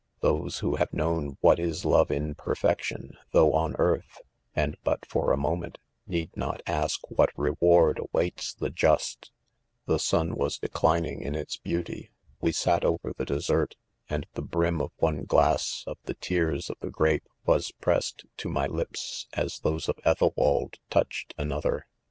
Those who have known what is love in perfection, though on earth, and but for a moment, need not ask what reward awaits'the jiisfc. 6 The sun was declining in . its beauty | we fiat over the dessert, and the brim of one glass of the tears of the grape was pressed to my lips as those of Ethelwaldi; ouched~ another.